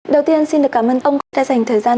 đầu tiên xin được cảm ơn ông đã dành thời gian